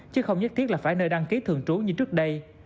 chứ không nhất thiết là phải nơi đăng ký thường trú như trước đây